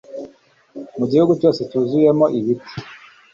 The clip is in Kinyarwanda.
Mu gihugu cyose cyuzuyemo ibiti